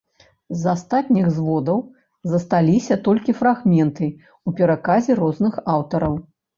З астатніх зводаў засталіся толькі фрагменты ў пераказе розных аўтараў.